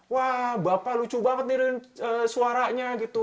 wah bapak lucu banget nih suaranya gitu